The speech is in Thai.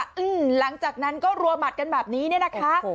ถึงหลังจากนั้นก็ลัวหมัดกันแบบนี้นะคะ